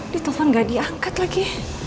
di telpon nggak diangkat lagi